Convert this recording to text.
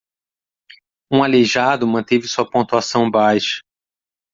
Um aleijado manteve sua pontuação baixa.